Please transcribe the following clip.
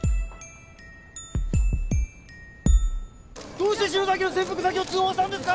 どうして篠崎の潜伏先を通報したんですか？